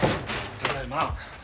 ただいま。